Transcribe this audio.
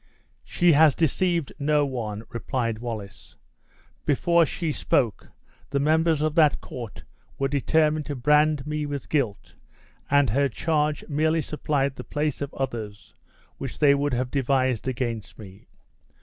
"She has deceived no one," replied Wallace. "Before she spoke, the members of that court were determined to brand me with guilt, and her charge merely supplied the place of others which they would have devised against me.